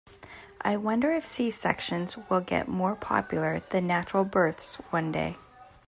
I wonder if C-sections will get more popular than natural births one day.